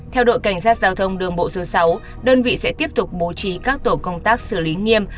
theo đội cảnh sát giao thông đường bộ số sáu đơn vị sẽ tiếp tục bố trí các tổ công tác xử lý nghiêm